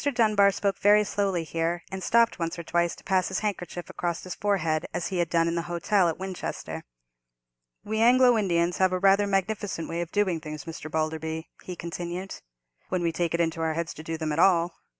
Dunbar spoke very slowly here, and stopped once or twice to pass his handkerchief across his forehead, as he had done in the hotel at Winchester. "We Anglo Indians have rather a magnificent way of doing things, Mr. Balderby" he continued, "when we take it into our heads to do them at all.